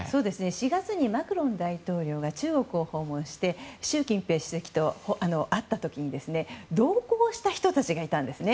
４月にマクロン大統領が中国を訪問して習近平主席と会った時に同行した人たちがいたんですね。